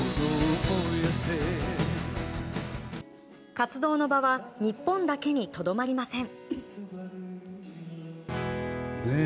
活動の場は日本だけにとどまりません。